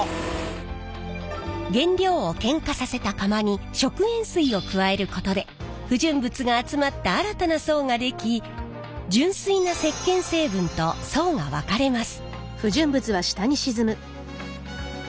原料をけん化させた釜に食塩水を加えることで不純物が集まった新たな層ができ純粋な石けん成分と層が分かれます。